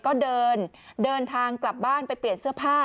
ก็เดินเดินทางกลับบ้านไปเปลี่ยนเสื้อผ้า